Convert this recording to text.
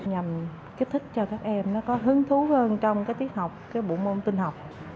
nhằm kích thích cho các em có hứng thú hơn trong tiết học bộ môn tinh học